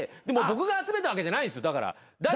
でも僕が集めたわけじゃないですよ。